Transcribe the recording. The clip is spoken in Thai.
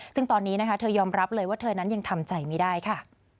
ซึ่งตอนนี้นะคะเธอยอมรับเลยว่าเธอนั้นยังทำใจไม่ได้ค่ะ